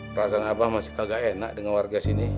perasaan abah masih agak enak dengan warga sini